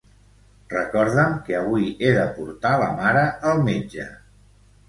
Recorda'm que avui he de portar la mare al metge.